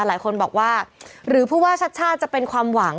หลายคนบอกว่าหรือพูดว่าชัดจะเป็นความหวัง